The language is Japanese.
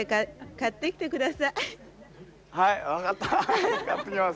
買ってきます。